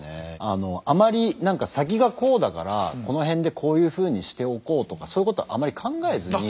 あのあまり「先がこうだからこの辺でこういうふうにしておこう」とかそういうことあまり考えずに。